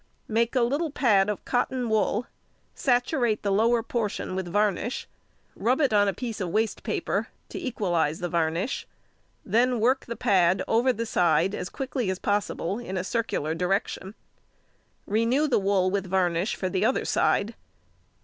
Make a little pad of cotton wool, saturate the lower portion with varnish; rub it on a piece of waste paper to equalize the varnish, then work the pad over the side as |144| quickly as possible in a circular direction. Renew the wool with varnish for the other side.